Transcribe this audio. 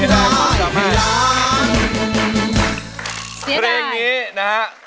เรื่องนี้นะฮะ